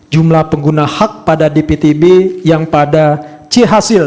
jumlah pengguna hak pada dptb yang pada c hasil